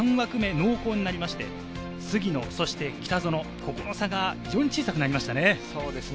濃厚になりまして、杉野、北園、この差が非常に小さくなりましたね。